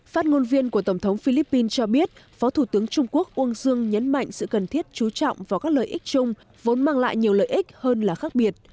phát ngôn viên của tổng thống philippines cho biết phó thủ tướng trung quốc uông dương nhấn mạnh sự cần thiết chú trọng vào các lợi ích chung vốn mang lại nhiều lợi ích hơn là khác biệt